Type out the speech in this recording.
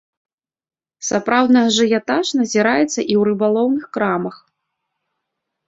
Сапраўдны ажыятаж назіраецца і ў рыбалоўных крамах.